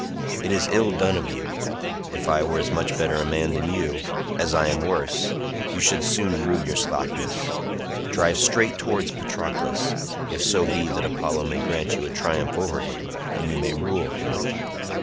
It is ill done of you. If I were as much better a man than you, as I am worse, you should soon rue your slackness. Drive straight towards Patroclus, if so be that Apollo may grant you a triumph over him, and you may rule him."